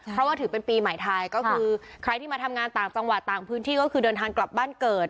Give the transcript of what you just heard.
เพราะว่าถือเป็นปีใหม่ไทยก็คือใครที่มาทำงานต่างจังหวัดต่างพื้นที่ก็คือเดินทางกลับบ้านเกิด